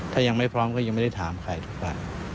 ถ้ายังไม่พร้อมก็ยังไม่ได้ถามใครทุกฝ่าย